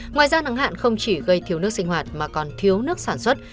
ngoài ra nắng hạn không chỉ gây thiếu nước sinh hoạt mà còn thiếu nước sản xuất